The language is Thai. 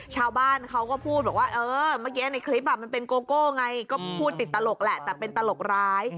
ชาวบ้านเขาก็พูดบอกว่าเออเมื่อกี้ในคลิปมันเป็นโกโก้ไงก็พูดติดตลกแหละแต่เป็นตลกร้าย